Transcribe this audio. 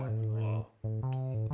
mereka juga hoping p nomernya